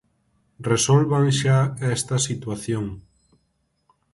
Resolvan xa esta situación.